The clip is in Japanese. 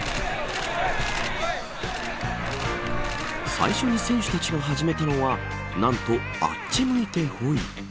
最初に選手たちが始めたのは何と、あっち向いてホイ。